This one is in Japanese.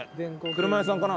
車屋さんかな？